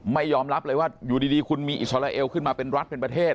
ไม่ยอมรับเลยว่าอยู่ดีคุณมีอิสราเอลขึ้นมาเป็นรัฐเป็นประเทศ